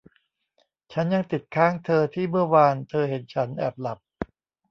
ฉันยังติดค้างเธอที่เมื่อวานเธอเห็นฉันแอบหลับ